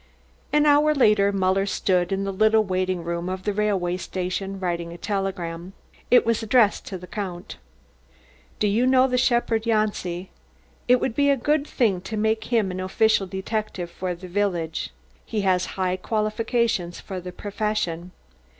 An hour later Muller stood in the little waiting room of the railway station writing a telegram. It was addressed to Count . "Do you know the shepherd Janci? It would be a good thing to make him the official detective for the village. He has high qualifications for the profession.